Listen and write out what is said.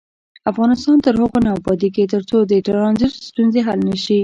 افغانستان تر هغو نه ابادیږي، ترڅو د ټرانزیت ستونزې حل نشي.